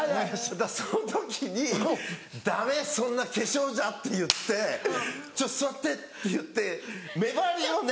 その時に「ダメそんな化粧じゃ」って言って「ちょっと座って」って言って目張りをね